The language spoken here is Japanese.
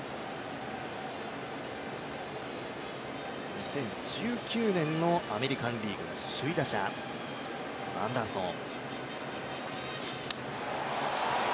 ２０１９年のアメリカンリーグ首位打者、アンダーソン。